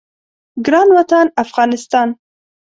ګران وطن افغانستان